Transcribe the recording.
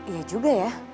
iya juga ya